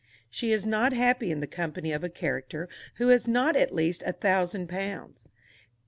She is not happy in the company of a character who has not at least a thousand pounds.